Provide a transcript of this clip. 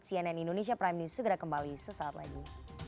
cnn indonesia prime news segera kembali sesaat lagi